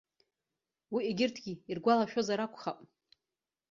Уи егьырҭгьы иргәалашәозар акәхап.